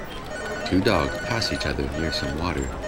Two dogs pass each other near some water.